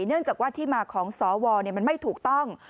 เนื่องจากว่าที่มาของสวมันไม่ถูกต้อง